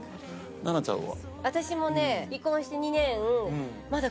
奈々ちゃんは？